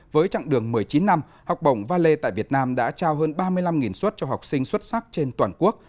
với chặng đường một mươi chín năm học bổng valet tại việt nam đã trao hơn ba mươi năm xuất cho học sinh xuất sắc trên toàn quốc